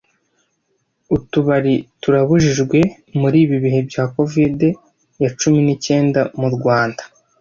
Utubari turabujijwe muri ibi bihe bya COVID ya cumi n'icyenda mu Rwanda